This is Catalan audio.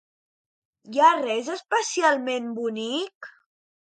Hi ha res especialment bonic?